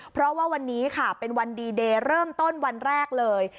เพราะว่าวันนี้ค่ะเป็นวันดีเดย์เริ่มต้นวันแรกเลย